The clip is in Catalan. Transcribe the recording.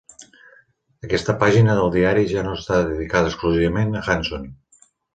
Aquesta pàgina del diari ja no està dedicada exclusivament a Hanson.